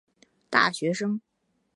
大学生